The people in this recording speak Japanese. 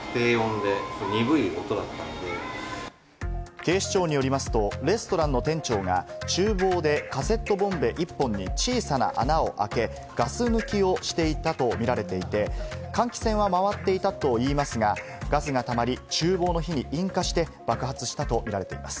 警視庁によりますと、レストランの店長が厨房で、カセットボンベ１本に小さな穴を開け、ガス抜きをしていたと見られていて、換気扇は回っていたといいますが、ガスがたまり厨房の火に引火して爆発したとみられています。